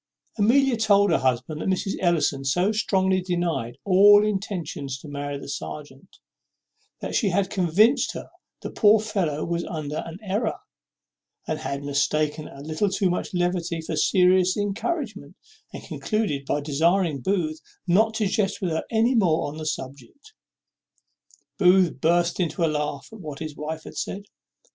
Amelia told her husband that Mrs. Ellison so strongly denied all intentions to marry the serjeant, that she had convinced her the poor fellow was under an error, and had mistaken a little too much levity for serious encouragement; and concluded by desiring Booth not to jest with her any more on that subject. Booth burst into a laugh at what his wife said.